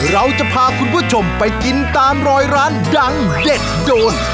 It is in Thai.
เราจะพาคุณผู้ชมไปกินตามรอยร้านดังเด็ดโจร